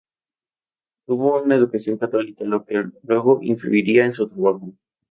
Tuvo una educación católica, lo que luego influiría en su trabajo.